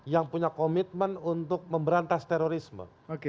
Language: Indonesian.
yang punya komitmen untuk memberantas terorisme